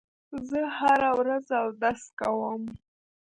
زه هره ورځ اودس کوم.